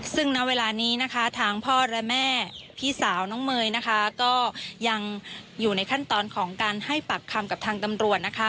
ซึ่งณเวลานี้นะคะทางพ่อและแม่พี่สาวน้องเมย์นะคะก็ยังอยู่ในขั้นตอนของการให้ปากคำกับทางตำรวจนะคะ